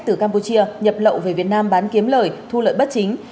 từ campuchia nhập lậu về việt nam bán kiếm lời thu lợi bất chính